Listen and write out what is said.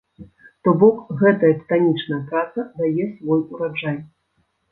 То бок, гэтая тытанічная праца дае свой ураджай.